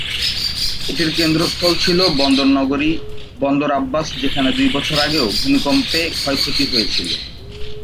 এটির কেন্দ্রস্থল ছিল বন্দরনগরী বন্দর আব্বাস, যেখানে দুই বছর আগেও ভূমিকম্পে ক্ষয়ক্ষতি হয়েছিল।